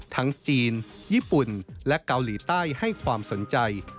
จีนญี่ปุ่นและเกาหลีใต้ให้ความสนใจ